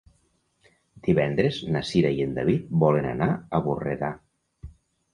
Divendres na Cira i en David volen anar a Borredà.